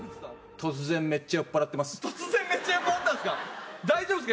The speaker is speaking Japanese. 突然めっちゃ酔っ払ったんですか。